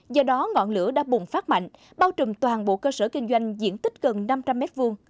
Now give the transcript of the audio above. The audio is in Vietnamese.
do đó ngọn lửa đã bùng phát mạnh bao trùm toàn bộ cơ sở kinh doanh diện tích gần năm trăm linh m hai